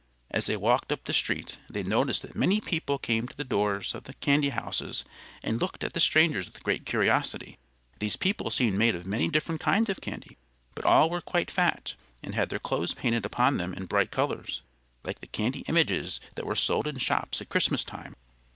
As they walked up the street, they noticed that many people came to the doors of the candy houses and looked at the strangers with great curiosity. These people seemed made of many different kinds of candy, but all were quite fat, and had their clothes painted upon them in bright colors, like the candy images that are sold in shops at Christmas time.